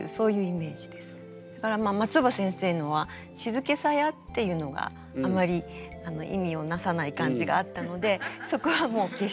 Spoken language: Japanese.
だから松尾葉先生のは「静けさや」っていうのがあんまり意味を成さない感じがあったのでそこはもう消してしまって。